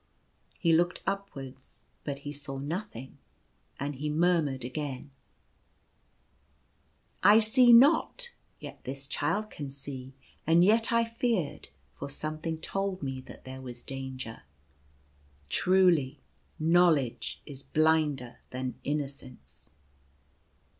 ,, He looked upwards, but he saw nothing, and he murmured again, 44 1 see not, yet this child can see; and yet I feared, for something told me that there was danger. Truly know ledge is blinder than innocence."